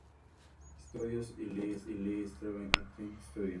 Studios y Lee Strasberg Acting Studio.